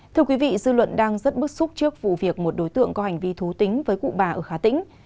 thưa quý vị dư luận đang rất bức xúc trước vụ việc một đối tượng có hành vi thú tính với cụ bà ở hà tĩnh